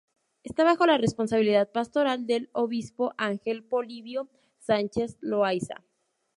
Esta bajo la responsabilidad pastoral del obispo Ángel Polibio Sánchez Loaiza.